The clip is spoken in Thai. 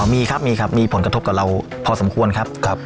มีครับมีครับมีผลกระทบกับเราพอสมควรครับ